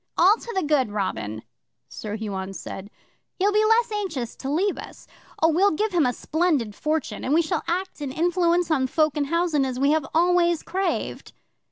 '"All to the good, Robin," Sir Huon said. "He'll be the less anxious to leave us. Oh, we'll give him a splendid fortune, and we shall act and influence on folk in housen as we have always craved."